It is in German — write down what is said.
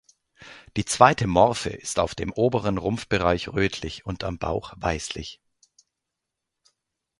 Die zweite Morphe ist auf dem oberen Rumpfbereich rötlich und am Bauch weißlich.